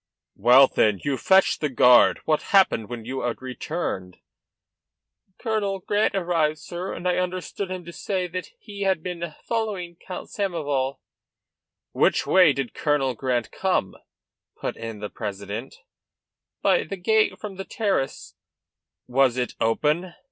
"Well, then, you fetched the guard. What happened when you returned?" "Colonel Grant arrived, sir, and I understood him to say that he had been following Count Samoval..." "Which way did Colonel Grant come?" put in the president. "By the gate from the terrace." "Was it open?"